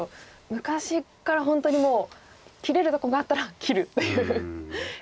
昔から本当にもう切れるとこがあったら切るという感じで。